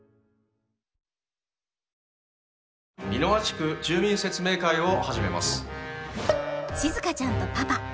美ノ和地区住民説明会を始めます。